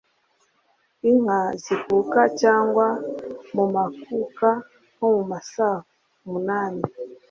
Inka zikuka cyangwa mu makuka nko mu masaa munani